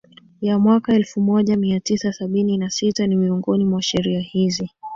ya mwaka elfu moja mia tisa sabini na sita ni miongoni mwa sheria hizi